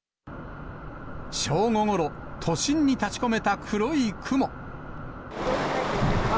正午ごろ、都心に立ちこめた黒い雲。